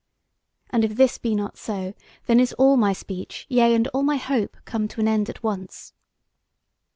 And if this be not so, then is all my speech, yea and all my hope, come to an end at once."